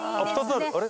あれ？